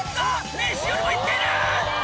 練習よりもいっている！